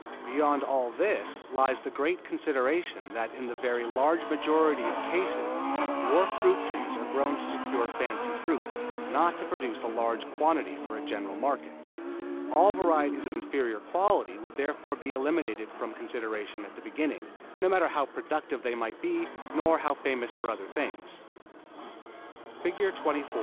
Beyond all this lies the great consideration that in the very large majority of cases dwarf fruit trees are grown to secure fancy fruit, not to produce a large quantity for a general market. All varieties of inferior quality would therefore be eliminated from consideration at the beginning, no matter how productive they might be, nor how famous for other things. [Illustration: FIG.